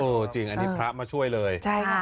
โอ้จริงอันนี้พระมาช่วยเลย